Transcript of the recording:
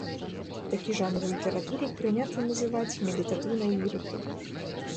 Такі жанр ў літаратуры прынята называць медытатыўнай лірыкай.